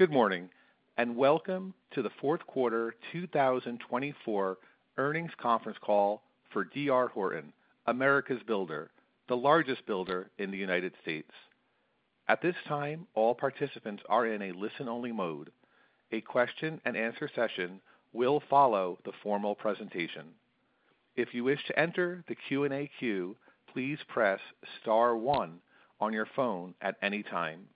Good morning, and welcome to the fourth quarter 2024 earnings conference call for D.R. Horton, America's Builder, the largest builder in the United States. At this time, all participants are in a listen-only mode. A question-and-answer session will follow the formal presentation. If you wish to enter the Q&A queue, please press star one on your phone at any time.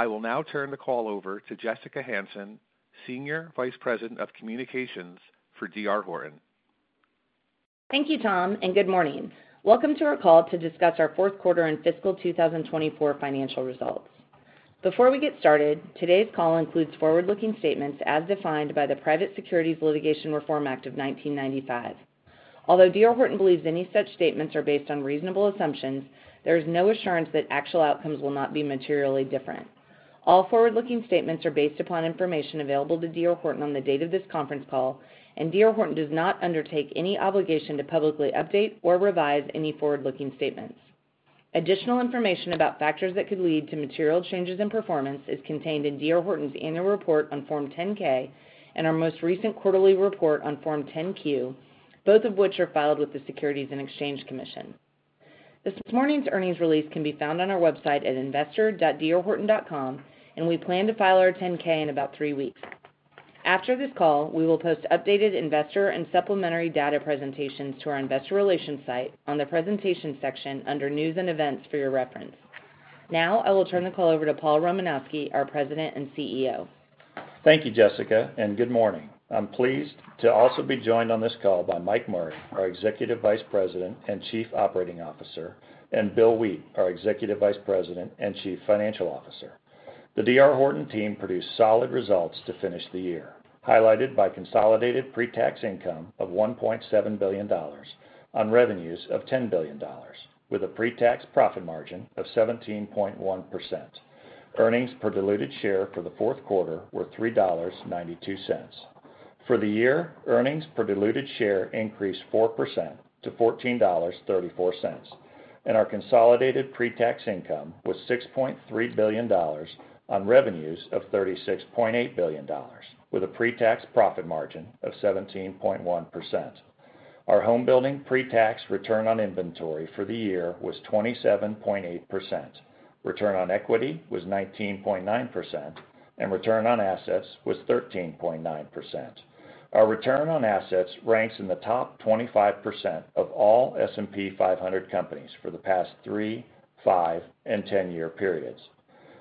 I will now turn the call over to Jessica Hansen, Senior Vice President of Communications for D.R. Horton. Thank you, Tom, and good morning. Welcome to our call to discuss our fourth quarter and fiscal 2024 financial results. Before we get started, today's call includes forward-looking statements as defined by the Private Securities Litigation Reform Act of 1995. Although D.R. Horton believes any such statements are based on reasonable assumptions, there is no assurance that actual outcomes will not be materially different. All forward-looking statements are based upon information available to D.R. Horton on the date of this conference call, and D.R. Horton does not undertake any obligation to publicly update or revise any forward-looking statements. Additional information about factors that could lead to material changes in performance is contained in D.R. Horton's annual report on Form 10-K and our most recent quarterly report on Form 10-Q, both of which are filed with the Securities and Exchange Commission. This morning's earnings release can be found on our website at investor.drhorton.com, and we plan to file our 10-K in about three weeks. After this call, we will post updated investor and supplementary data presentations to our investor relations site on the presentation section under News and Events for your reference. Now, I will turn the call over to Paul Romanowski, our President and CEO. Thank you, Jessica, and good morning. I'm pleased to also be joined on this call by Mike Murray, our Executive Vice President and Chief Operating Officer, and Bill Wheat, our Executive Vice President and Chief Financial Officer. The D.R. Horton team produced solid results to finish the year, highlighted by consolidated pre-tax income of $1.7 billion on revenues of $10 billion, with a pre-tax profit margin of 17.1%. Earnings per diluted share for the fourth quarter were $3.92. For the year, earnings per diluted share increased 4% to $14.34, and our consolidated pre-tax income was $6.3 billion on revenues of $36.8 billion, with a pre-tax profit margin of 17.1%. Our home-building pre-tax return on inventory for the year was 27.8%. Return on equity was 19.9%, and return on assets was 13.9%. Our return on assets ranks in the top 25% of all S&P 500 companies for the past three, five, and ten-year periods.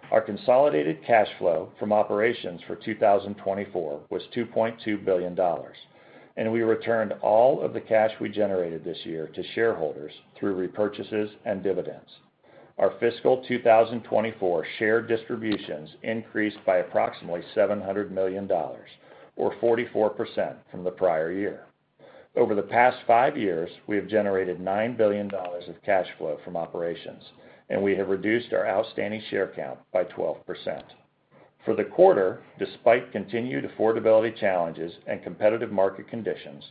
Our consolidated cash flow from operations for 2024 was $2.2 billion, and we returned all of the cash we generated this year to shareholders through repurchases and dividends. Our fiscal 2024 share distributions increased by approximately $700 million, or 44% from the prior year. Over the past five years, we have generated $9 billion of cash flow from operations, and we have reduced our outstanding share count by 12%. For the quarter, despite continued affordability challenges and competitive market conditions,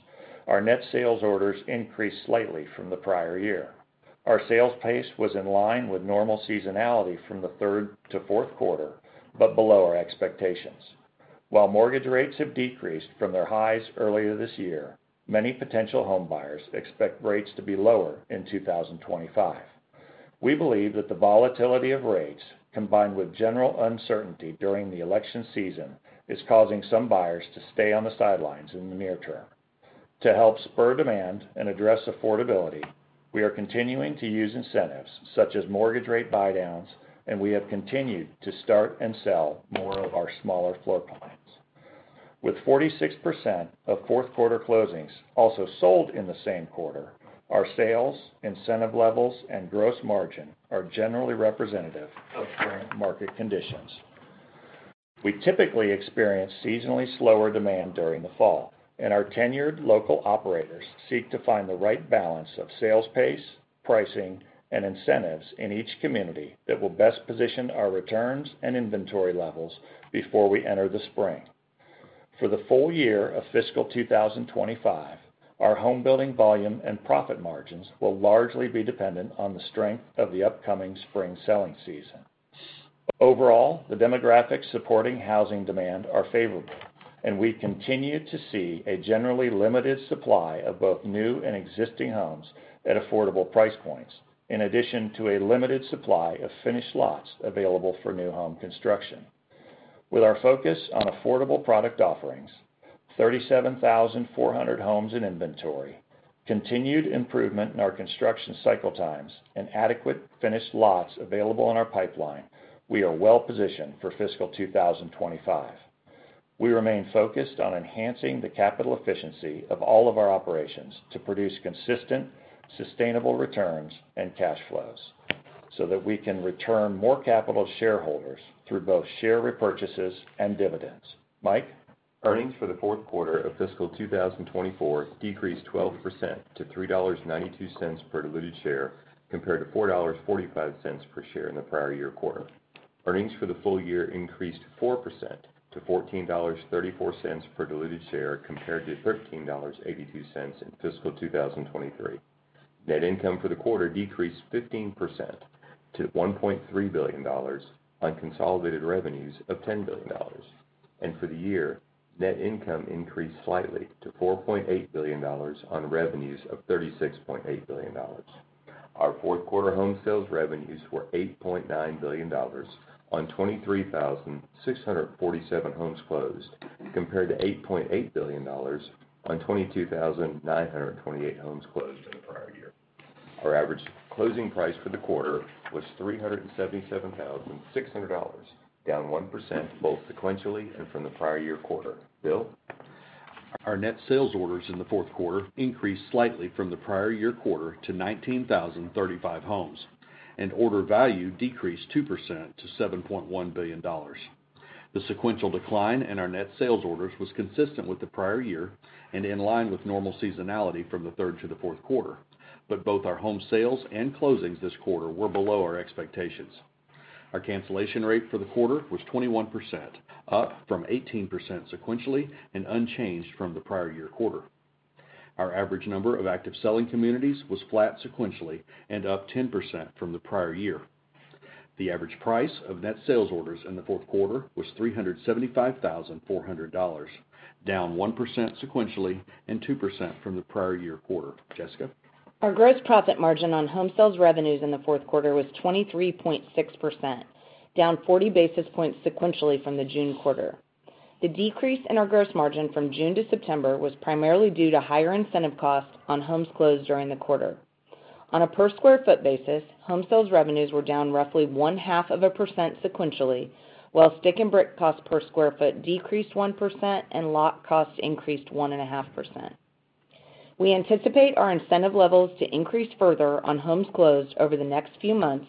our net sales orders increased slightly from the prior year. Our sales pace was in line with normal seasonality from the third to fourth quarter, but below our expectations. While mortgage rates have decreased from their highs earlier this year, many potential home buyers expect rates to be lower in 2025. We believe that the volatility of rates, combined with general uncertainty during the election season, is causing some buyers to stay on the sidelines in the near term. To help spur demand and address affordability, we are continuing to use incentives such as mortgage rate buy-downs, and we have continued to start and sell more of our smaller floor plans. With 46% of fourth-quarter closings also sold in the same quarter, our sales, incentive levels, and gross margin are generally representative of current market conditions. We typically experience seasonally slower demand during the fall, and our tenured local operators seek to find the right balance of sales pace, pricing, and incentives in each community that will best position our returns and inventory levels before we enter the spring. For the full year of fiscal 2025, our home-building volume and profit margins will largely be dependent on the strength of the upcoming spring selling season. Overall, the demographics supporting housing demand are favorable, and we continue to see a generally limited supply of both new and existing homes at affordable price points, in addition to a limited supply of finished lots available for new home construction. With our focus on affordable product offerings, 37,400 homes in inventory, continued improvement in our construction cycle times, and adequate finished lots available in our pipeline, we are well positioned for fiscal 2025. We remain focused on enhancing the capital efficiency of all of our operations to produce consistent, sustainable returns and cash flows so that we can return more capital to shareholders through both share repurchases and dividends. Mike. Earnings for the fourth quarter of fiscal 2024 decreased 12% to $3.92 per diluted share compared to $4.45 per share in the prior year quarter. Earnings for the full year increased 4% to $14.34 per diluted share compared to $13.82 in fiscal 2023. Net income for the quarter decreased 15% to $1.3 billion on consolidated revenues of $10 billion, and for the year, net income increased slightly to $4.8 billion on revenues of $36.8 billion. Our fourth-quarter home sales revenues were $8.9 billion on 23,647 homes closed compared to $8.8 billion on 22,928 homes closed in the prior year. Our average closing price for the quarter was $377,600, down 1% both sequentially and from the prior year quarter. Bill. Our net sales orders in the fourth quarter increased slightly from the prior year quarter to 19,035 homes, and order value decreased 2% to $7.1 billion. The sequential decline in our net sales orders was consistent with the prior year and in line with normal seasonality from the third to the fourth quarter, but both our home sales and closings this quarter were below our expectations. Our cancellation rate for the quarter was 21%, up from 18% sequentially and unchanged from the prior year quarter. Our average number of active selling communities was flat sequentially and up 10% from the prior year. The average price of net sales orders in the fourth quarter was $375,400, down 1% sequentially and 2% from the prior year quarter. Jessica. Our gross profit margin on home sales revenues in the fourth quarter was 23.6%, down 40 basis points sequentially from the June quarter. The decrease in our gross margin from June to September was primarily due to higher incentive costs on homes closed during the quarter. On a per square foot basis, home sales revenues were down roughly 0.5% sequentially, while stick-and-brick costs per square foot decreased 1% and lot costs increased 1.5%. We anticipate our incentive levels to increase further on homes closed over the next few months,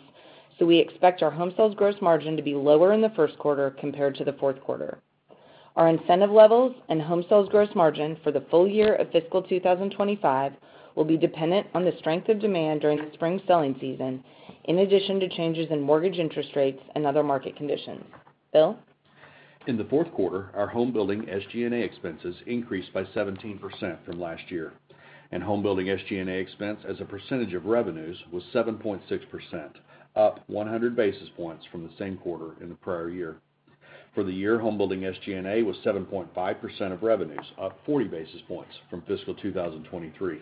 so we expect our home sales gross margin to be lower in the first quarter compared to the fourth quarter. Our incentive levels and home sales gross margin for the full year of fiscal 2025 will be dependent on the strength of demand during the spring selling season, in addition to changes in mortgage interest rates and other market conditions. Bill. In the fourth quarter, our home-building SG&A expenses increased by 17% from last year, and home-building SG&A expense as a percentage of revenues was 7.6%, up 100 basis points from the same quarter in the prior year. For the year, home-building SG&A was 7.5% of revenues, up 40 basis points from fiscal 2023.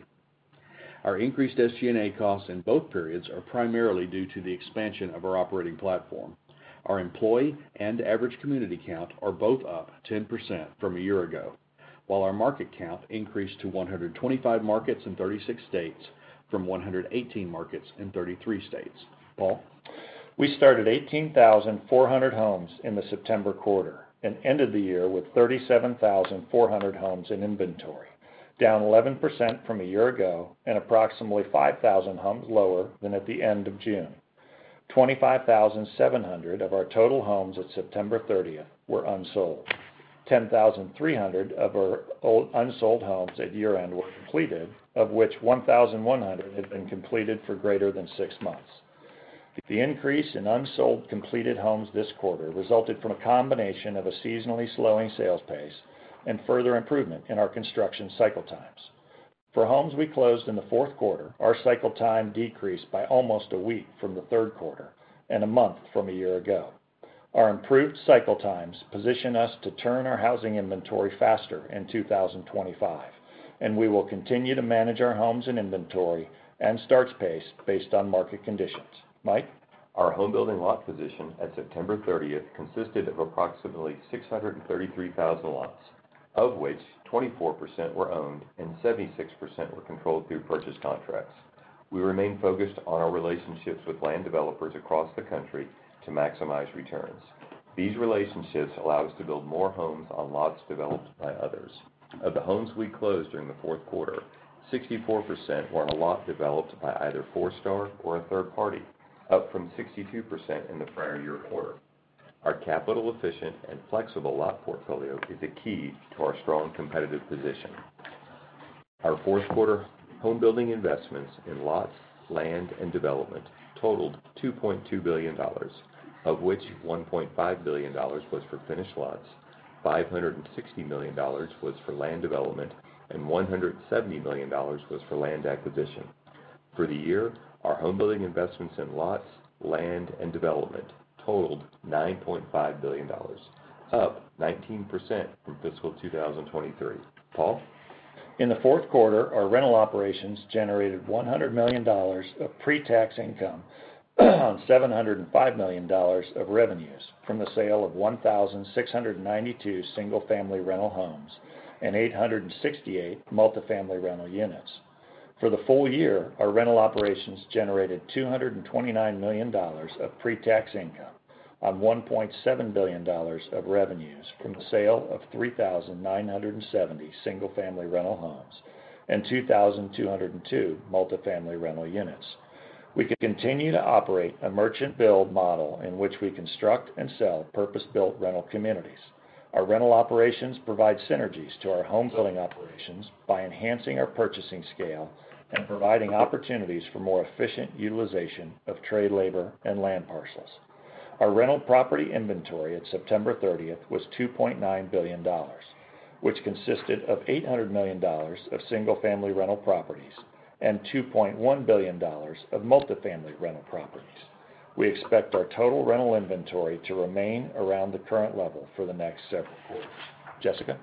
Our increased SG&A costs in both periods are primarily due to the expansion of our operating platform. Our employee and average community count are both up 10% from a year ago, while our market count increased to 125 markets in 36 states from 118 markets in 33 states. Paul. We started 18,400 homes in the September quarter and ended the year with 37,400 homes in inventory, down 11% from a year ago and approximately 5,000 homes lower than at the end of June. 25,700 of our total homes at September 30 were unsold. 10,300 of our unsold homes at year-end were completed, of which 1,100 had been completed for greater than six months. The increase in unsold completed homes this quarter resulted from a combination of a seasonally slowing sales pace and further improvement in our construction cycle times. For homes we closed in the fourth quarter, our cycle time decreased by almost a week from the third quarter and a month from a year ago. Our improved cycle times position us to turn our housing inventory faster in 2025, and we will continue to manage our homes in inventory and starts pace based on market conditions. Mike. Our home-building lot position at September 30 consisted of approximately 633,000 lots, of which 24% were owned and 76% were controlled through purchase contracts. We remain focused on our relationships with land developers across the country to maximize returns. These relationships allow us to build more homes on lots developed by others. Of the homes we closed during the fourth quarter, 64% were on a lot developed by either Forestar or a third party, up from 62% in the prior year quarter. Our capital-efficient and flexible lot portfolio is a key to our strong competitive position. Our fourth quarter home-building investments in lots, land, and development totaled $2.2 billion, of which $1.5 billion was for finished lots, $560 million was for land development, and $170 million was for land acquisition. For the year, our home-building investments in lots, land, and development totaled $9.5 billion, up 19% from fiscal 2023. Paul. In the fourth quarter, our rental operations generated $100 million of pre-tax income and $705 million of revenues from the sale of 1,692 single-family rental homes and 868 multifamily rental units. For the full year, our rental operations generated $229 million of pre-tax income and $1.7 billion of revenues from the sale of 3,970 single-family rental homes and 2,202 multifamily rental units. We continue to operate a merchant-build model in which we construct and sell purpose-built rental communities. Our rental operations provide synergies to our home-building operations by enhancing our purchasing scale and providing opportunities for more efficient utilization of trade labor and land parcels. Our rental property inventory at September 30 was $2.9 billion, which consisted of $800 million of single-family rental properties and $2.1 billion of multifamily rental properties. We expect our total rental inventory to remain around the current level for the next several quarters. Jessica.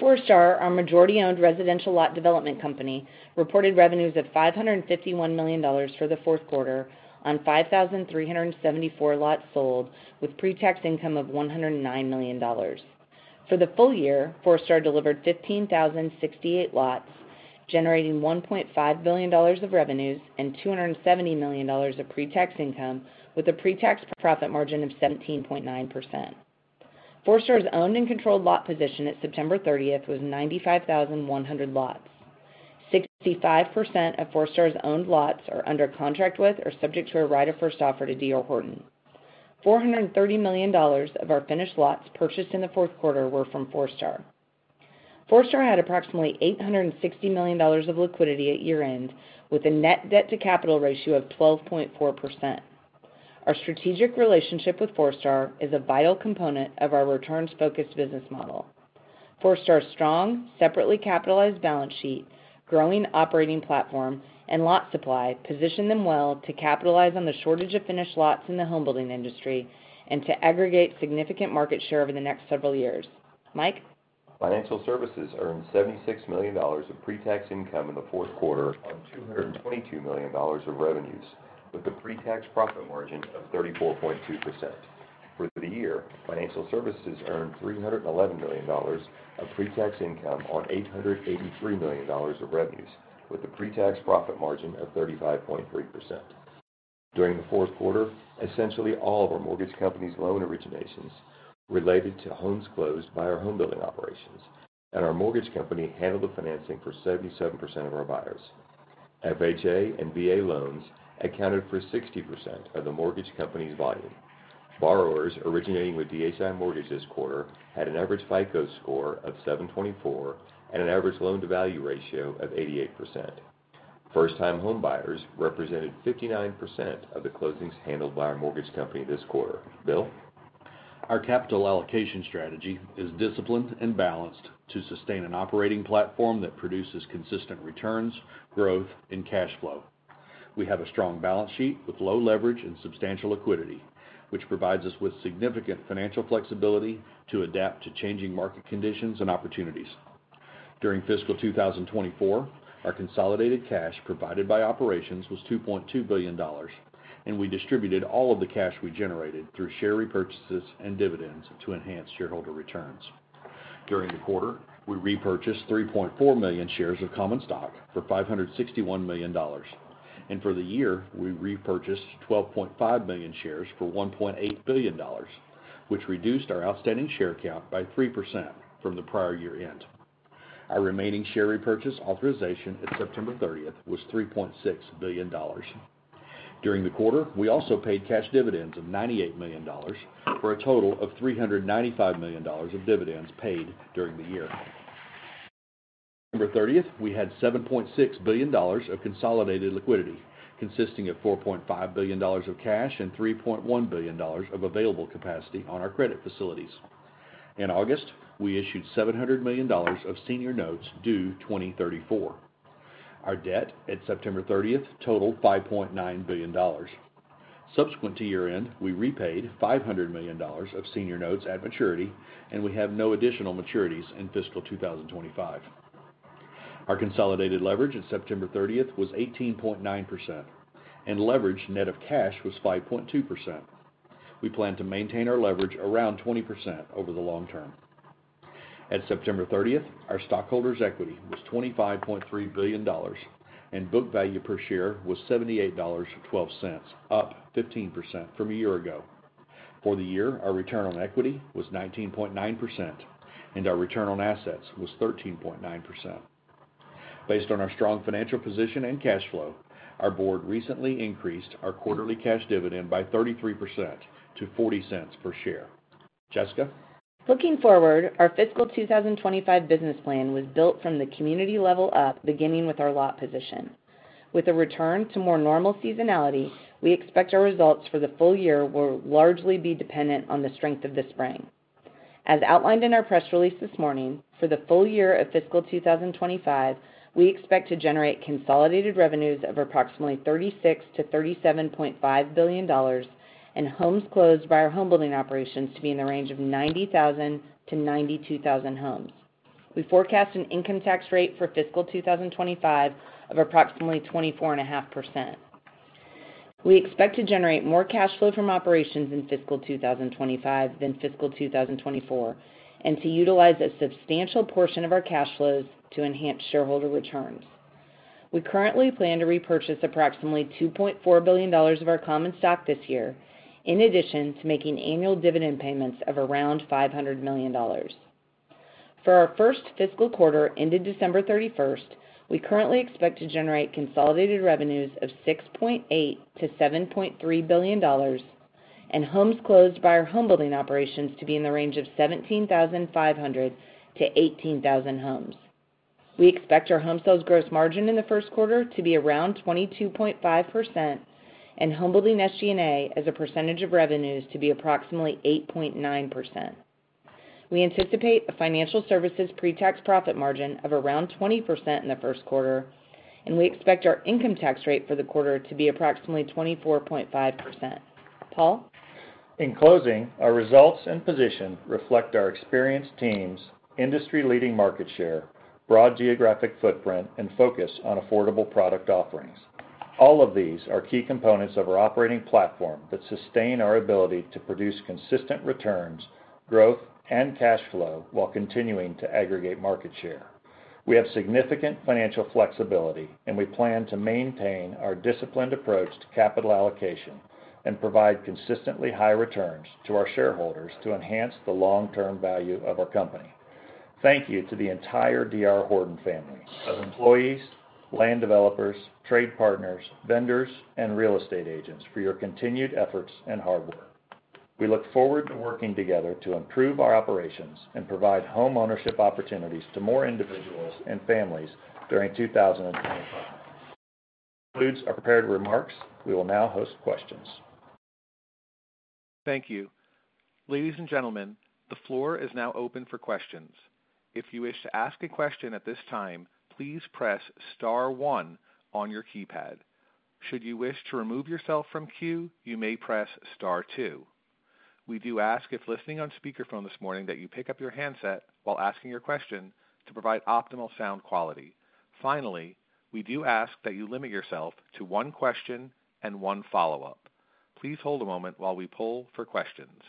Forestar, our majority-owned residential lot development company, reported revenues of $551 million for the fourth quarter on 5,374 lots sold with pre-tax income of $109 million. For the full year, Forestar delivered 15,068 lots, generating $1.5 billion of revenues and $270 million of pre-tax income with a pre-tax profit margin of 17.9%. Forestar's owned and controlled lot position at September 30 was 95,100 lots. 65% of Forestar's owned lots are under contract with or subject to a right of first offer to D.R. Horton. $430 million of our finished lots purchased in the fourth quarter were from Forestar. Forestar had approximately $860 million of liquidity at year-end with a net debt-to-capital ratio of 12.4%. Our strategic relationship with Forestar is a vital component of our returns-focused business model. Forestar's strong, separately capitalized balance sheet, growing operating platform, and lot supply position them well to capitalize on the shortage of finished lots in the home-building industry and to aggregate significant market share over the next several years. Mike. Financial Services earned $76 million of pre-tax income in the fourth quarter on $222 million of revenues, with a pre-tax profit margin of 34.2%. For the year, Financial Services earned $311 million of pre-tax income on $883 million of revenues, with a pre-tax profit margin of 35.3%. During the fourth quarter, essentially all of our mortgage company's loan originations related to homes closed by our home-building operations, and our mortgage company handled the financing for 77% of our buyers. FHA and VA loans accounted for 60% of the mortgage company's volume. Borrowers originating with DHI Mortgage this quarter had an average FICO score of 724 and an average loan-to-value ratio of 88%. First-time home buyers represented 59% of the closings handled by our mortgage company this quarter. Bill. Our capital allocation strategy is disciplined and balanced to sustain an operating platform that produces consistent returns, growth, and cash flow. We have a strong balance sheet with low leverage and substantial liquidity, which provides us with significant financial flexibility to adapt to changing market conditions and opportunities. During fiscal 2024, our consolidated cash provided by operations was $2.2 billion, and we distributed all of the cash we generated through share repurchases and dividends to enhance shareholder returns. During the quarter, we repurchased 3.4 million shares of common stock for $561 million, and for the year, we repurchased 12.5 million shares for $1.8 billion, which reduced our outstanding share count by 3% from the prior year-end. Our remaining share repurchase authorization at September 30 was $3.6 billion. During the quarter, we also paid cash dividends of $98 million for a total of $395 million of dividends paid during the year. On September 30, we had $7.6 billion of consolidated liquidity, consisting of $4.5 billion of cash and $3.1 billion of available capacity on our credit facilities. In August, we issued $700 million of senior notes due 2034. Our debt at September 30 totaled $5.9 billion. Subsequent to year-end, we repaid $500 million of senior notes at maturity, and we have no additional maturities in fiscal 2025. Our consolidated leverage at September 30 was 18.9%, and leverage net of cash was 5.2%. We plan to maintain our leverage around 20% over the long term. At September 30, our stockholders' equity was $25.3 billion, and book value per share was $78.12, up 15% from a year ago. For the year, our return on equity was 19.9%, and our return on assets was 13.9%. Based on our strong financial position and cash flow, our board recently increased our quarterly cash dividend by 33% to $0.40 per share. Jessica. Looking forward, our fiscal 2025 business plan was built from the community level up, beginning with our lot position. With a return to more normal seasonality, we expect our results for the full year will largely be dependent on the strength of the spring. As outlined in our press release this morning, for the full year of fiscal 2025, we expect to generate consolidated revenues of approximately $36-$37.5 billion and homes closed by our home-building operations to be in the range of 90,000-92,000 homes. We forecast an income tax rate for fiscal 2025 of approximately 24.5%. We expect to generate more cash flow from operations in fiscal 2025 than fiscal 2024 and to utilize a substantial portion of our cash flows to enhance shareholder returns. We currently plan to repurchase approximately $2.4 billion of our common stock this year, in addition to making annual dividend payments of around $500 million. For our first fiscal quarter ended December 31st, we currently expect to generate consolidated revenues of $6.8-$7.3 billion and homes closed by our home-building operations to be in the range of 17,500-18,000 homes. We expect our home sales gross margin in the first quarter to be around 22.5% and home-building SG&A as a percentage of revenues to be approximately 8.9%. We anticipate a financial services pre-tax profit margin of around 20% in the first quarter, and we expect our income tax rate for the quarter to be approximately 24.5%. Paul. In closing, our results and position reflect our experienced teams, industry-leading market share, broad geographic footprint, and focus on affordable product offerings. All of these are key components of our operating platform that sustain our ability to produce consistent returns, growth, and cash flow while continuing to aggregate market share. We have significant financial flexibility, and we plan to maintain our disciplined approach to capital allocation and provide consistently high returns to our shareholders to enhance the long-term value of our company. Thank you to the entire D.R. Horton family of employees, land developers, trade partners, vendors, and real estate agents for your continued efforts and hard work. We look forward to working together to improve our operations and provide home ownership opportunities to more individuals and families during 2025. To conclude our prepared remarks, we will now host questions. Thank you. Ladies and gentlemen, the floor is now open for questions. If you wish to ask a question at this time, please press Star 1 on your keypad. Should you wish to remove yourself from queue, you may press Star 2. We do ask if listening on speakerphone this morning that you pick up your handset while asking your question to provide optimal sound quality. Finally, we do ask that you limit yourself to one question and one follow-up. Please hold a moment while we pull for questions,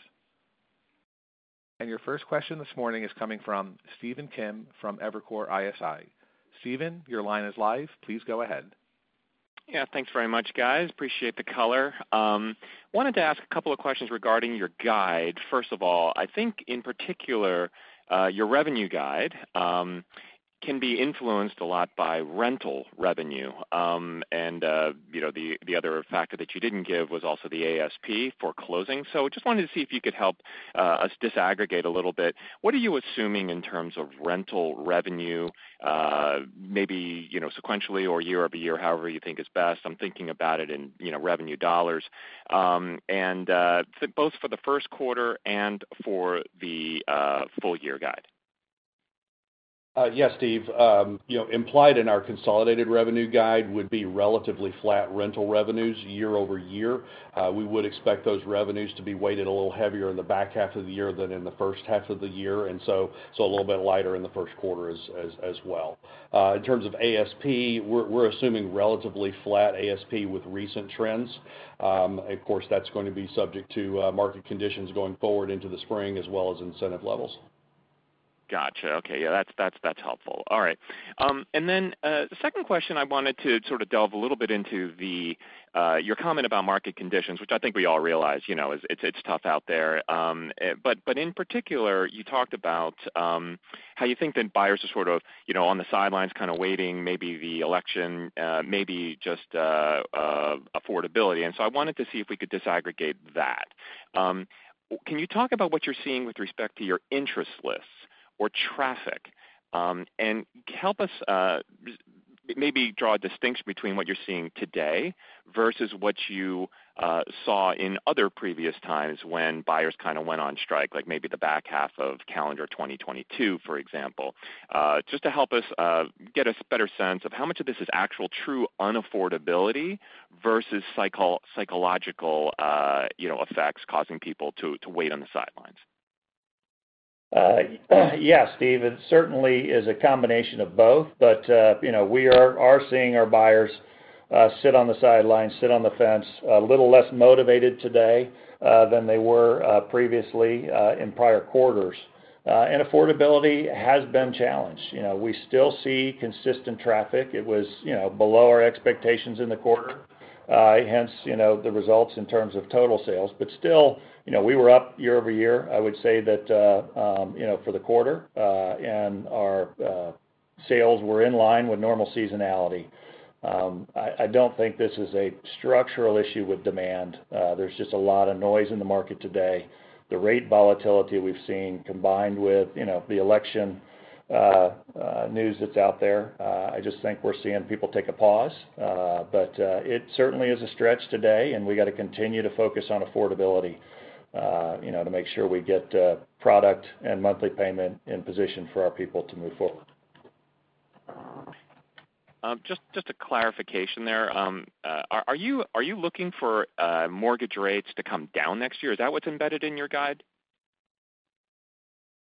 and your first question this morning is coming from Stephen Kim from Evercore ISI. Stephen, your line is live. Please go ahead. Yeah, thanks very much, guys. Appreciate the color. I wanted to ask a couple of questions regarding your guide. First of all, I think in particular, your revenue guide can be influenced a lot by rental revenue. And the other factor that you didn't give was also the ASP for closing. So I just wanted to see if you could help us disaggregate a little bit. What are you assuming in terms of rental revenue, maybe sequentially or year over year, however you think is best? I'm thinking about it in revenue dollars. And both for the first quarter and for the full year guide. Yes, Steve. Implied in our consolidated revenue guide would be relatively flat rental revenues year over year. We would expect those revenues to be weighted a little heavier in the back half of the year than in the first half of the year, and so a little bit lighter in the first quarter as well. In terms of ASP, we're assuming relatively flat ASP with recent trends. Of course, that's going to be subject to market conditions going forward into the spring as well as incentive levels. Gotcha. Okay. Yeah, that's helpful. All right. And then the second question I wanted to sort of delve a little bit into your comment about market conditions, which I think we all realize it's tough out there. But in particular, you talked about how you think that buyers are sort of on the sidelines kind of waiting maybe the election, maybe just affordability. And so I wanted to see if we could disaggregate that. Can you talk about what you're seeing with respect to your interest lists or traffic? And help us maybe draw a distinction between what you're seeing today versus what you saw in other previous times when buyers kind of went on strike, like maybe the back half of calendar 2022, for example. Just to help us get a better sense of how much of this is actual true unaffordability versus psychological effects causing people to wait on the sidelines. Yeah, Steve. It certainly is a combination of both, but we are seeing our buyers sit on the sidelines, sit on the fence, a little less motivated today than they were previously in prior quarters, and affordability has been challenged. We still see consistent traffic. It was below our expectations in the quarter, hence the results in terms of total sales, but still, we were up year over year, I would say, for the quarter, and our sales were in line with normal seasonality. I don't think this is a structural issue with demand. There's just a lot of noise in the market today. The rate volatility we've seen combined with the election news that's out there, I just think we're seeing people take a pause. But it certainly is a stretch today, and we got to continue to focus on affordability to make sure we get product and monthly payment in position for our people to move forward. Just a clarification there. Are you looking for mortgage rates to come down next year? Is that what's embedded in your guide?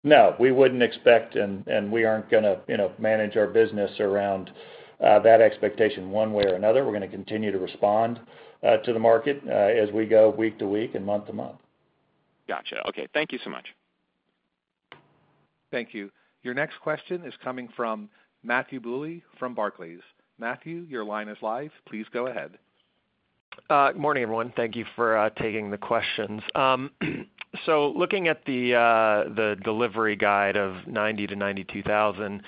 No, we wouldn't expect, and we aren't going to manage our business around that expectation one way or another. We're going to continue to respond to the market as we go week to week and month to month. Gotcha. Okay. Thank you so much. Thank you. Your next question is coming from Matthew Bouley from Barclays. Matthew, your line is live. Please go ahead. Good morning, everyone. Thank you for taking the questions. So looking at the delivery guide of 90,000-92,000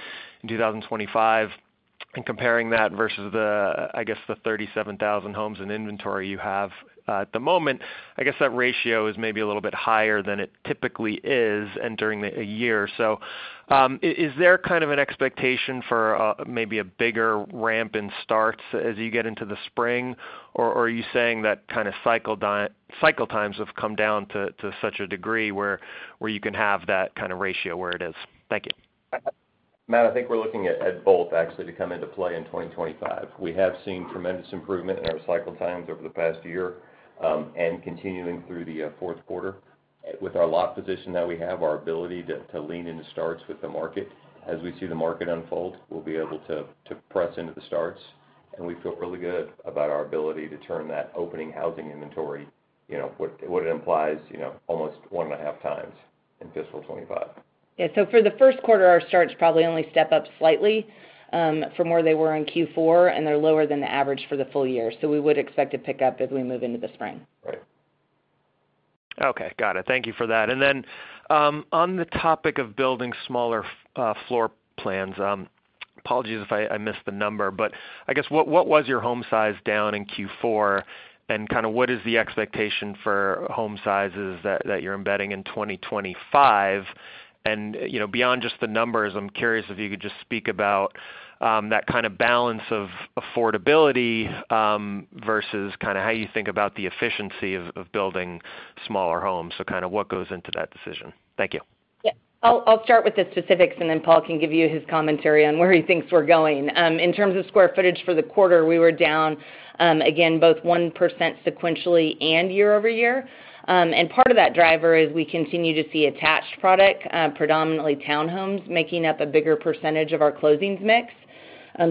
in 2025 and comparing that versus, I guess, the 37,000 homes in inventory you have at the moment, I guess that ratio is maybe a little bit higher than it typically is entering a year. So is there kind of an expectation for maybe a bigger ramp in starts as you get into the spring, or are you saying that kind of cycle times have come down to such a degree where you can have that kind of ratio where it is? Thank you. Matt, I think we're looking at both, actually, to come into play in 2025. We have seen tremendous improvement in our cycle times over the past year and continuing through the fourth quarter. With our lot position that we have, our ability to lean into starts with the market, as we see the market unfold, we'll be able to press into the starts. And we feel really good about our ability to turn that opening housing inventory, what it implies, almost one and a half times in fiscal 2025. Yeah. So for the first quarter, our starts probably only step up slightly from where they were in Q4, and they're lower than the average for the full year. So we would expect a pickup as we move into the spring. Right. Okay. Got it. Thank you for that. And then on the topic of building smaller floor plans, apologies if I missed the number, but I guess what was your home size down in Q4, and kind of what is the expectation for home sizes that you're embedding in 2025? And beyond just the numbers, I'm curious if you could just speak about that kind of balance of affordability versus kind of how you think about the efficiency of building smaller homes. So kind of what goes into that decision? Thank you. Yeah. I'll start with the specifics, and then Paul can give you his commentary on where he thinks we're going. In terms of square footage for the quarter, we were down, again, both 1% sequentially and year over year. And part of that driver is we continue to see attached product, predominantly townhomes, making up a bigger percentage of our closings mix.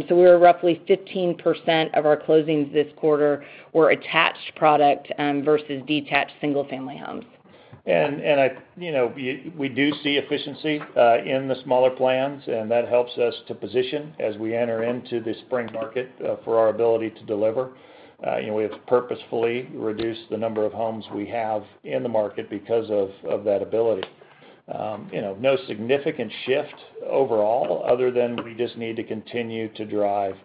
So we were roughly 15% of our closings this quarter were attached product versus detached single-family homes. And we do see efficiency in the smaller plans, and that helps us to position as we enter into the spring market for our ability to deliver. We have purposefully reduced the number of homes we have in the market because of that ability. No significant shift overall other than we just need to continue to drive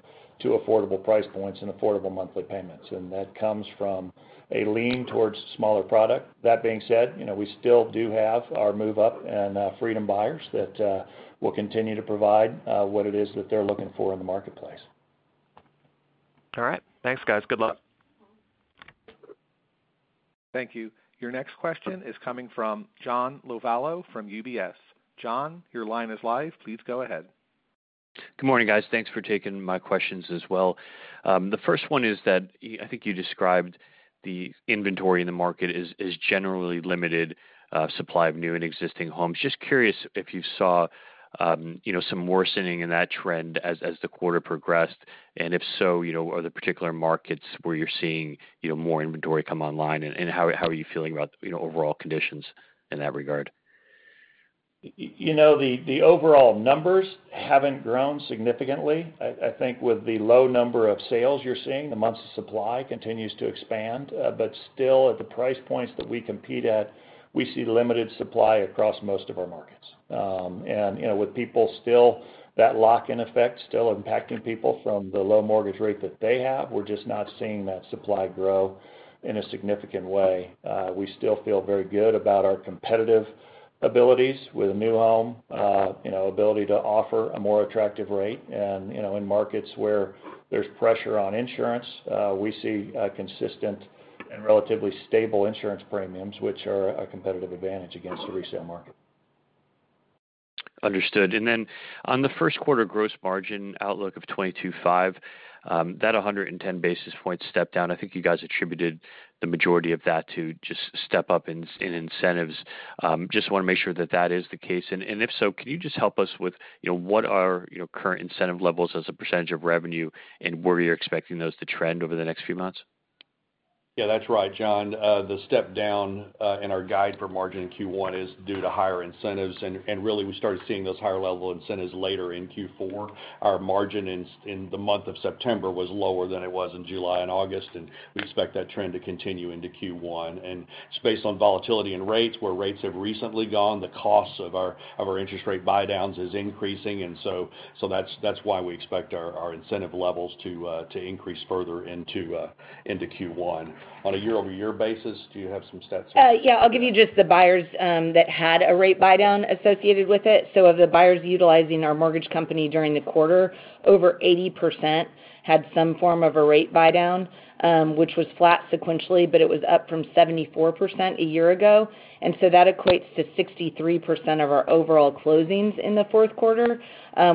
to affordable price points and affordable monthly payments. And that comes from a lean towards smaller product. That being said, we still do have our move-up and Freedom buyers that will continue to provide what it is that they're looking for in the marketplace. All right. Thanks, guys. Good luck. Thank you. Your next question is coming from John Lovallo from UBS. John, your line is live. Please go ahead. Good morning, guys. Thanks for taking my questions as well. The first one is that I think you described the inventory in the market is generally limited supply of new and existing homes. Just curious if you saw some worsening in that trend as the quarter progressed, and if so, are there particular markets where you're seeing more inventory come online, and how are you feeling about overall conditions in that regard? The overall numbers haven't grown significantly. I think with the low number of sales you're seeing, the months of supply continues to expand. But still, at the price points that we compete at, we see limited supply across most of our markets. And with people still, that lock-in effect still impacting people from the low mortgage rate that they have, we're just not seeing that supply grow in a significant way. We still feel very good about our competitive abilities with a new home, ability to offer a more attractive rate. And in markets where there's pressure on insurance, we see consistent and relatively stable insurance premiums, which are a competitive advantage against the resale market. Understood. And then, on the first quarter gross margin outlook of 2025, that 110 basis points step down, I think you guys attributed the majority of that to just step up in incentives. Just want to make sure that that is the case. And if so, can you just help us with what are current incentive levels as a percentage of revenue, and where you're expecting those to trend over the next few months? Yeah, that's right, John. The step down in our guide for margin Q1 is due to higher incentives. And really, we started seeing those higher level incentives later in Q4. Our margin in the month of September was lower than it was in July and August, and we expect that trend to continue into Q1. And just based on volatility and rates, where rates have recently gone, the cost of our interest rate buy-downs is increasing. And so that's why we expect our incentive levels to increase further into Q1. On a year-over-year basis, do you have some stats? Yeah. I'll give you just the buyers that had a rate buy-down associated with it. So of the buyers utilizing our mortgage company during the quarter, over 80% had some form of a rate buy-down, which was flat sequentially, but it was up from 74% a year ago. And so that equates to 63% of our overall closings in the fourth quarter,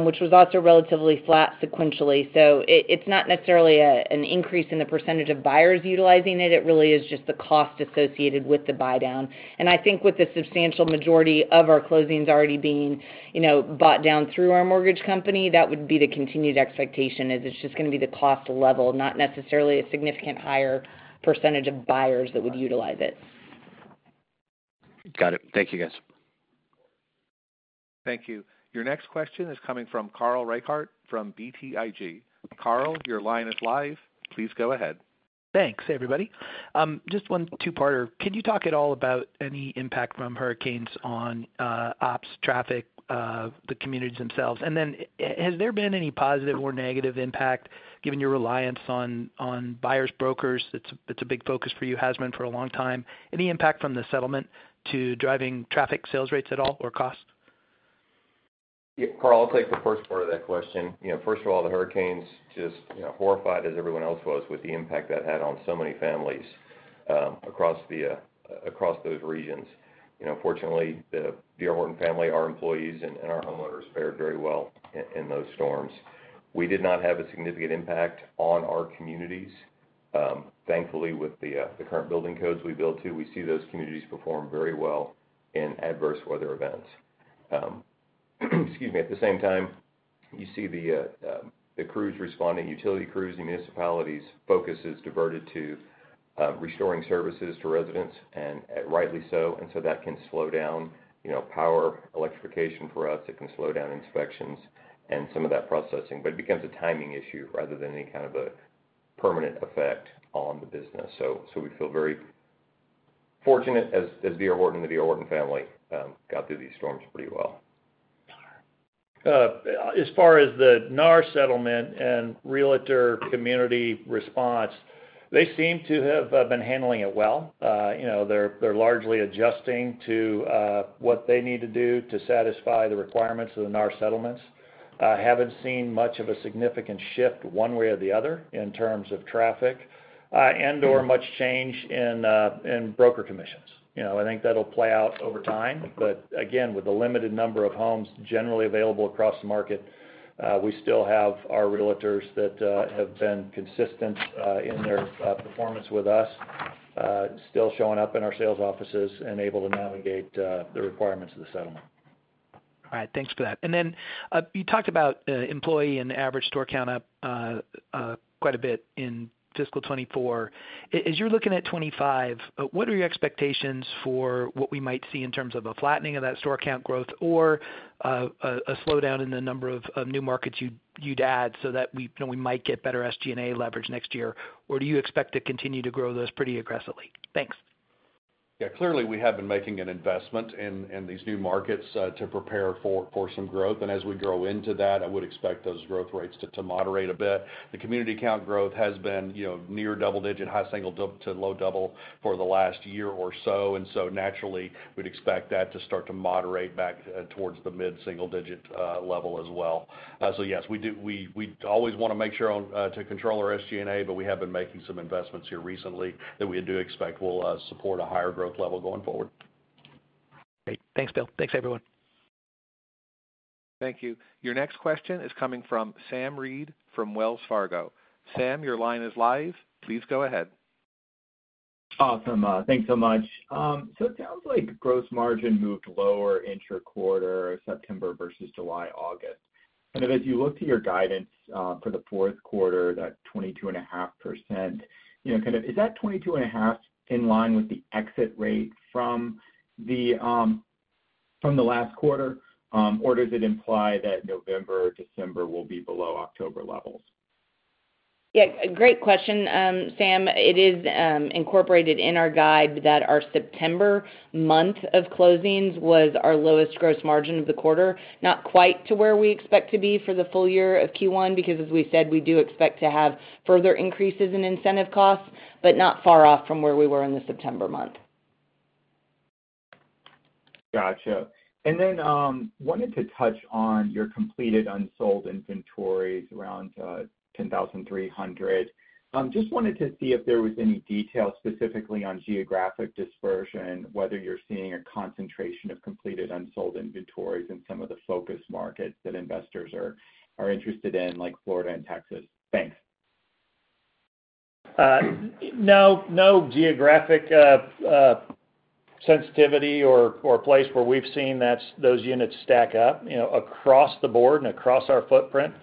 which was also relatively flat sequentially. So it's not necessarily an increase in the percentage of buyers utilizing it. It really is just the cost associated with the buy-down. And I think with the substantial majority of our closings already being bought down through our mortgage company, that would be the continued expectation is it's just going to be the cost level, not necessarily a significant higher percentage of buyers that would utilize it. Got it. Thank you, guys. Thank you. Your next question is coming from Carl Reichardt from BTIG. Carl, your line is live. Please go ahead. Thanks, everybody. Just one two-parter. Can you talk at all about any impact from hurricanes on ops traffic, the communities themselves? And then has there been any positive or negative impact given your reliance on buyers' brokers? It's a big focus for you, has been for a long time. Any impact from the settlement to driving traffic sales rates at all or costs? Yeah. Carl, I'll take the first part of that question. First of all, the hurricanes just horrified us as everyone else was with the impact that had on so many families across those regions. Fortunately, the D.R. Horton family, our employees, and our homeowners fared very well in those storms. We did not have a significant impact on our communities. Thankfully, with the current building codes we build to, we see those communities perform very well in adverse weather events. Excuse me. At the same time, you see the crews responding, utility crews, the municipalities' focus is diverted to restoring services to residents, and rightly so. And so that can slow down power electrification for us. It can slow down inspections and some of that processing. But it becomes a timing issue rather than any kind of a permanent effect on the business. So we feel very fortunate as D.R. Horton and the D.R. Horton family got through these storms pretty well. As far as the NAR settlement and Realtor community response, they seem to have been handling it well. They're largely adjusting to what they need to do to satisfy the requirements of the NAR settlements. Haven't seen much of a significant shift one way or the other in terms of traffic and/or much change in broker commissions. I think that'll play out over time. But again, with the limited number of homes generally available across the market, we still have our realtors that have been consistent in their performance with us, still showing up in our sales offices and able to navigate the requirements of the settlement. All right. Thanks for that. And then you talked about employees and average store count up quite a bit in fiscal 2024. As you're looking at 2025, what are your expectations for what we might see in terms of a flattening of that store count growth or a slowdown in the number of new markets you'd add so that we might get better SG&A leverage next year? Or do you expect to continue to grow those pretty aggressively? Thanks. Yeah. Clearly, we have been making an investment in these new markets to prepare for some growth. And as we grow into that, I would expect those growth rates to moderate a bit. The community count growth has been near double-digit, high single to low double for the last year or so. And so naturally, we'd expect that to start to moderate back towards the mid-single-digit level as well. So yes, we always want to make sure to control our SG&A, but we have been making some investments here recently that we do expect will support a higher growth level going forward. Great. Thanks, Bill. Thanks, everyone. Thank you. Your next question is coming from Sam Reid from Wells Fargo. Sam, your line is live. Please go ahead. Awesome. Thanks so much. So it sounds like gross margin moved lower intra-quarter, September versus July, August. Kind of as you look to your guidance for the fourth quarter, that 22.5%, kind of is that 22.5% in line with the exit rate from the last quarter, or does it imply that November, December will be below October levels? Yeah. Great question, Sam. It is incorporated in our guide that our September month of closings was our lowest gross margin of the quarter, not quite to where we expect to be for the full year of Q1 because, as we said, we do expect to have further increases in incentive costs, but not far off from where we were in the September month. Gotcha. And then wanted to touch on your completed unsold inventories around 10,300. Just wanted to see if there was any detail specifically on geographic dispersion, whether you're seeing a concentration of completed unsold inventories in some of the focus markets that investors are interested in, like Florida and Texas? Thanks. No geographic sensitivity or place where we've seen those units stack up. Across the board and across our footprint,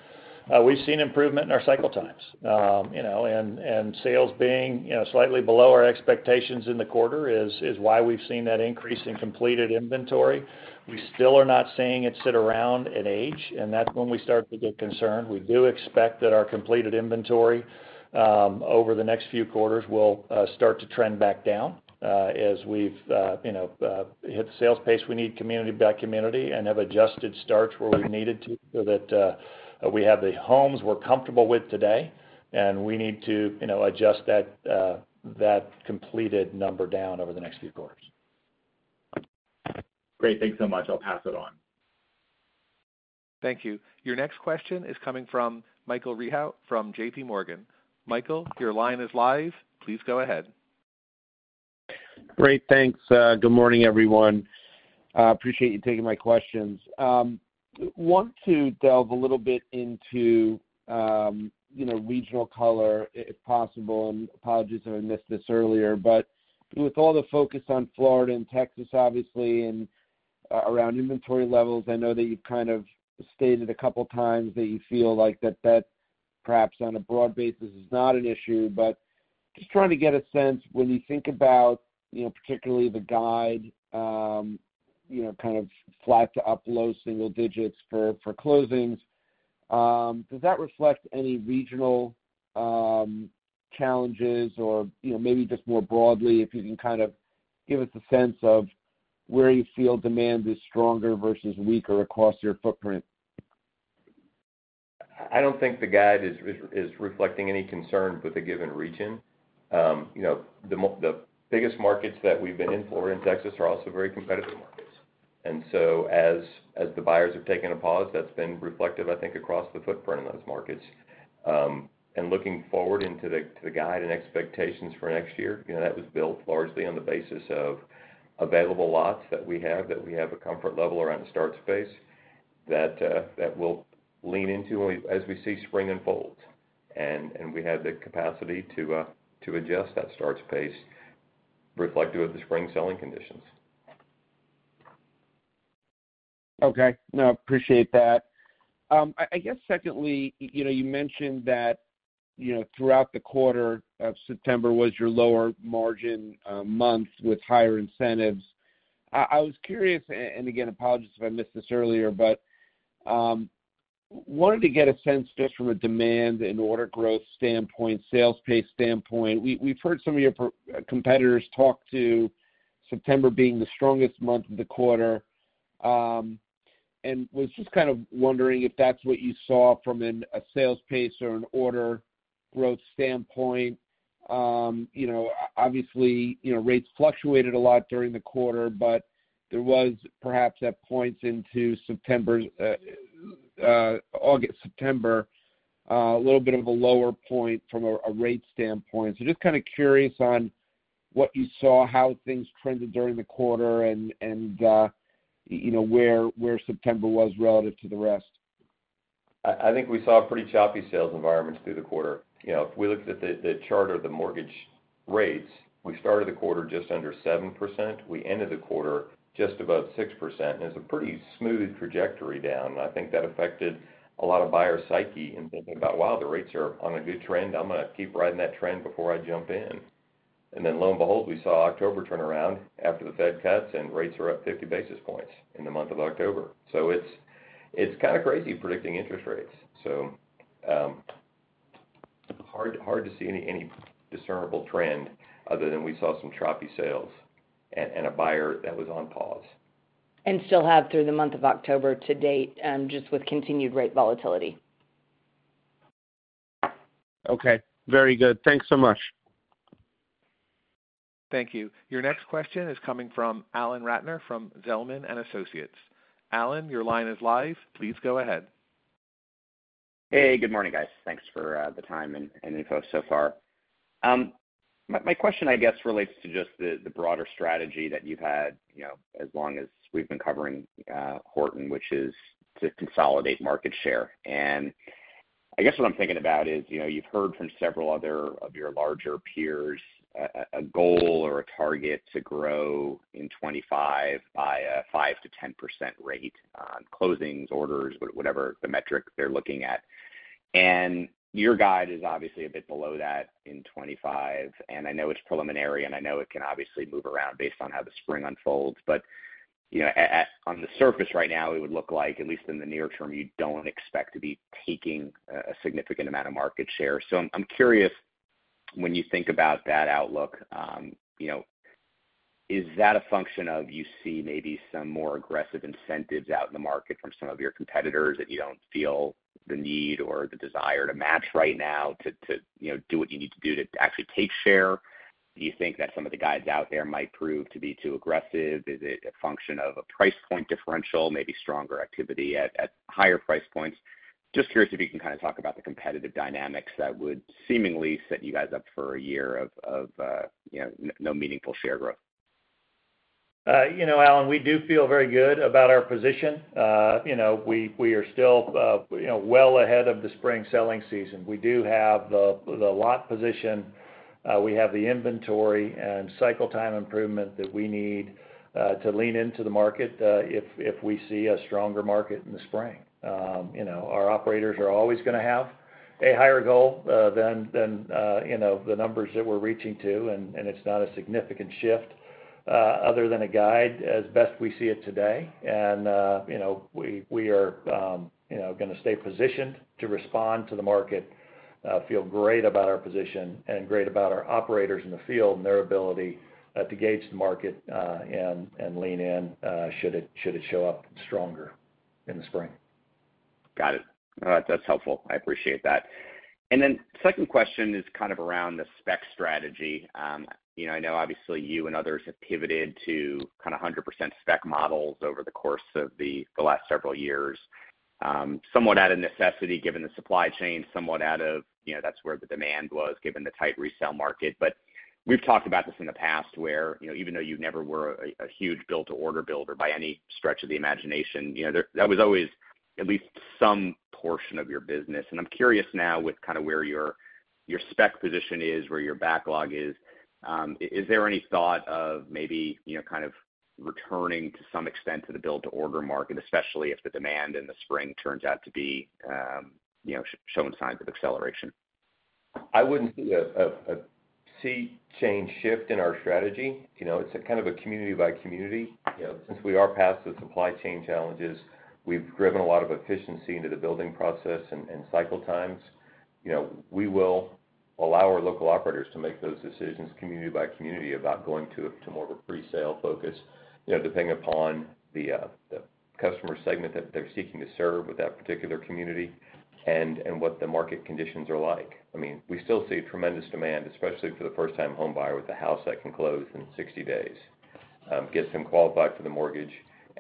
we've seen improvement in our cycle times, and sales being slightly below our expectations in the quarter is why we've seen that increase in completed inventory. We still are not seeing it sit around and age, and that's when we start to get concerned. We do expect that our completed inventory over the next few quarters will start to trend back down as we've hit the sales pace we need community by community and have adjusted starts where we've needed to so that we have the homes we're comfortable with today, and we need to adjust that completed number down over the next few quarters. Great. Thanks so much. I'll pass it on. Thank you. Your next question is coming from Michael Rehaut from JPMorgan. Michael, your line is live. Please go ahead. Great. Thanks. Good morning, everyone. Appreciate you taking my questions. I want to delve a little bit into regional color if possible, and apologies if I missed this earlier, but with all the focus on Florida and Texas, obviously, and around inventory levels, I know that you've kind of stated a couple of times that you feel like that perhaps on a broad basis is not an issue, but just trying to get a sense, when you think about particularly the guide kind of flat to up low single digits for closings, does that reflect any regional challenges or maybe just more broadly, if you can kind of give us a sense of where you feel demand is stronger versus weaker across your footprint? I don't think the guide is reflecting any concern with a given region. The biggest markets that we've been in, Florida and Texas, are also very competitive markets. And so as the buyers have taken a pause, that's been reflective, I think, across the footprint in those markets. And looking forward into the guide and expectations for next year, that was built largely on the basis of available lots that we have, that we have a comfort level around the starts space that will lean into as we see spring unfold. And we have the capacity to adjust that starts space reflective of the spring selling conditions. Okay. No, appreciate that. I guess secondly, you mentioned that throughout the quarter of September was your lower margin month with higher incentives. I was curious, and again, apologies if I missed this earlier, but wanted to get a sense just from a demand and order growth standpoint, sales pace standpoint. We've heard some of your competitors talk to September being the strongest month of the quarter, and was just kind of wondering if that's what you saw from a sales pace or an order growth standpoint. Obviously, rates fluctuated a lot during the quarter, but there was perhaps at points into August, September, a little bit of a lower point from a rate standpoint. So just kind of curious on what you saw, how things trended during the quarter, and where September was relative to the rest. I think we saw pretty choppy sales environments through the quarter. If we looked at the chart of the mortgage rates, we started the quarter just under 7%. We ended the quarter just above 6%. And it's a pretty smooth trajectory down. And I think that affected a lot of buyer psyche in thinking about, "Wow, the rates are on a good trend. I'm going to keep riding that trend before I jump in." And then lo and behold, we saw October turn around after the Fed cuts, and rates are up 50 basis points in the month of October. So it's kind of crazy predicting interest rates. So hard to see any discernible trend other than we saw some choppy sales and a buyer that was on pause. And still have through the month of October to date just with continued rate volatility. Okay. Very good. Thanks so much. Thank you. Your next question is coming from Alan Ratner from Zelman & Associates. Alan, your line is live. Please go ahead. Hey, good morning, guys. Thanks for the time and info so far. My question, I guess, relates to just the broader strategy that you've had as long as we've been covering Horton, which is to consolidate market share. And I guess what I'm thinking about is you've heard from several other of your larger peers a goal or a target to grow in 2025 by a 5%-10% rate on closings, orders, whatever the metric they're looking at. And your guide is obviously a bit below that in 2025. And I know it's preliminary, and I know it can obviously move around based on how the spring unfolds. But on the surface right now, it would look like, at least in the near term, you don't expect to be taking a significant amount of market share. So I'm curious, when you think about that outlook, is that a function of you see maybe some more aggressive incentives out in the market from some of your competitors that you don't feel the need or the desire to match right now to do what you need to do to actually take share? Do you think that some of the guides out there might prove to be too aggressive? Is it a function of a price point differential, maybe stronger activity at higher price points? Just curious if you can kind of talk about the competitive dynamics that would seemingly set you guys up for a year of no meaningful share growth. Alan, we do feel very good about our position. We are still well ahead of the spring selling season. We do have the lot position. We have the inventory and cycle time improvement that we need to lean into the market if we see a stronger market in the spring. Our operators are always going to have a higher goal than the numbers that we're reaching to, and it's not a significant shift other than a guide as best we see it today, and we are going to stay positioned to respond to the market, feel great about our position, and great about our operators in the field and their ability to gauge the market and lean in should it show up stronger in the spring. Got it. All right. That's helpful. I appreciate that. And then second question is kind of around the spec strategy. I know obviously you and others have pivoted to kind of 100% spec models over the course of the last several years, somewhat out of necessity given the supply chain, somewhat out of, that's where the demand was given the tight resale market. But we've talked about this in the past where even though you never were a huge build-to-order builder by any stretch of the imagination, that was always at least some portion of your business. And I'm curious now with kind of where your spec position is, where your backlog is, is there any thought of maybe kind of returning to some extent to the build-to-order market, especially if the demand in the spring turns out to be showing signs of acceleration? I wouldn't see a sea change shift in our strategy. It's kind of a community by community. Since we are past the supply chain challenges, we've driven a lot of efficiency into the building process and cycle times. We will allow our local operators to make those decisions community by community about going to more of a presale focus depending upon the customer segment that they're seeking to serve with that particular community and what the market conditions are like. I mean, we still see tremendous demand, especially for the first-time home buyer with a house that can close in 60 days, get them qualified for the mortgage,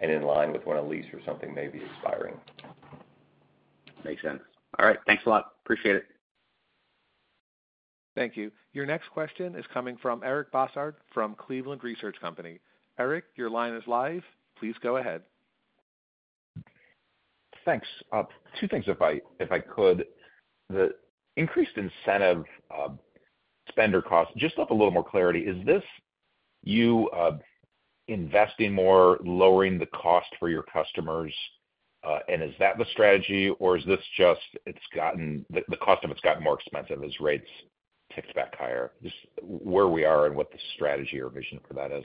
and in line with when a lease or something may be expiring. Makes sense. All right. Thanks a lot. Appreciate it. Thank you. Your next question is coming from Eric Bosshard from Cleveland Research Company. Eric, your line is live. Please go ahead. Thanks. Two things, if I could. The increased incentive spending cost, just to have a little more clarity, is this you investing more, lowering the cost for your customers, and is that the strategy, or is this just the cost of it. It's gotten more expensive as rates ticked back higher? Just where we are and what the strategy or vision for that is.